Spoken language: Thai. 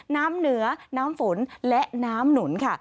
น้ำเหนือน้ำฝนและน้ำหนุนค่ะ